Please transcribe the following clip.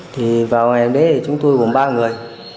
thì vào ngày hôm đấy thì chúng tôi gồm ba người